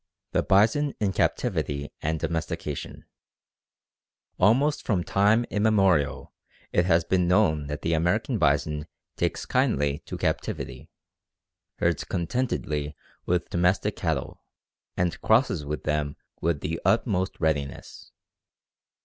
The bison in captivity and domestication. Almost from time immemorial it has been known that the American bison takes kindly to captivity, herds contentedly with domestic cattle, and crosses with them with the utmost readiness.